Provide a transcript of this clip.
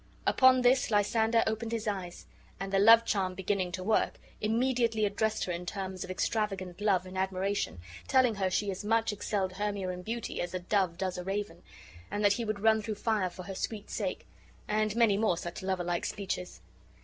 Upon this Lysander opened his eyes, and, the love charm beginning to work, immediately addressed her in terms of extravagant love and admiration, telling her she as much excelled Hermia in beauty as a dove does a raven, and that be would run through fire for her sweet sake; and many more such lover like speeches.